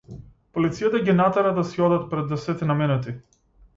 Полицијата ги натера да си одат пред десетина минути.